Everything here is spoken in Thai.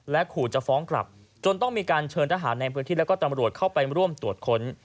ขู่จะฟ้องกลับจนต้องมีการเชิญทหารในพื้นที่แล้วก็ตำรวจเข้าไปร่วมตรวจค้น